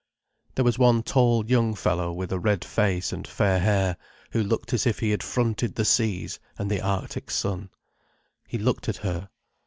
There was one tall young fellow with a red face and fair hair, who looked as if he had fronted the seas and the arctic sun. He looked at her.